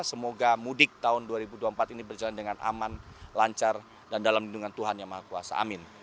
semoga mudik tahun dua ribu dua puluh empat ini berjalan dengan aman lancar dan dalam lindungan tuhan yang maha kuasa amin